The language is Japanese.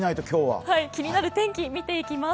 気になる天気を見ていきます。